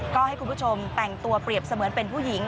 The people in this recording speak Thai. ก็ให้คุณผู้ชมแต่งตัวเปรียบเสมือนเป็นผู้หญิง